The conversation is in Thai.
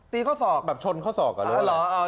ข้อศอกแบบชนข้อศอกอะเลย